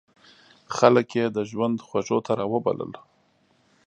خلک یې د ژوند خوږو ته را وبلل.